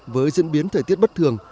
với diễn biến thời tiết bất thường